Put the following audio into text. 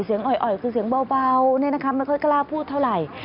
เสียงอ่อยคือเสียงเบานี่นะคะมันค่อยกล้าพูดเท่าไหร่